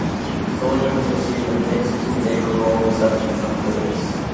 "Soldier" has received a mixed-to-favorable reception from critics.